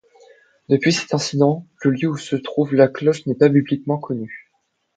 Depuis cet incident, le lieu où se trouve la cloche n'est pas publiquement connu.